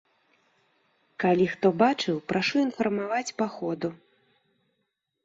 Калі хто што бачыў, прашу інфармаваць па ходу.